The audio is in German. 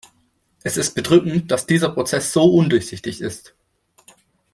Es ist bedrückend, dass dieser Prozess so undurchsichtig ist.